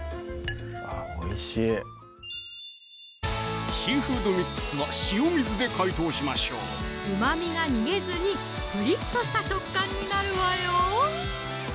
あぁおいしいシーフードミックスは塩水で解凍しましょううまみが逃げずにプリッとした食感になるわよ